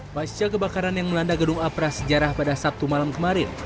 pada saat kebakaran yang melanda gedung aprah sejarah pada sabtu malam kemarin